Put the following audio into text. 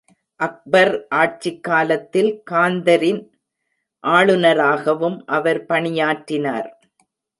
அக்பர் ஆட்சிக் காலத்தில் காந்தரின் ஆளுநராகவும அவர் பணியாற்றினார்.